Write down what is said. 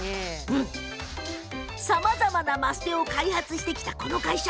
さまざまなマステを開発してきたこの会社。